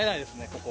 ここ。